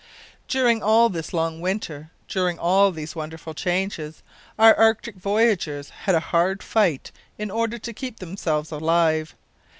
During all this long winter during all these wonderful changes, our Arctic voyagers had a hard fight in order to keep themselves alive.